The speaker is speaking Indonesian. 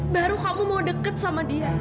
baru kamu mau deket sama dia